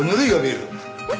えっ？